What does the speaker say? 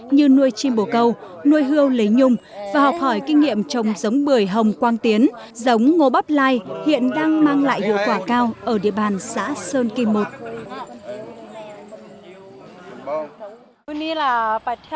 như nuôi chim bổ câu nuôi hươu lấy nhung và học hỏi kinh nghiệm trồng giống bưởi hồng quang tiến giống ngô bắp lai hiện đang mang lại hiệu quả cao ở địa bàn xã sơn kim một